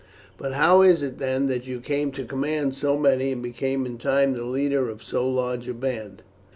"But how is it, then, that you came to command so many, and became in time the leader of so large a band?"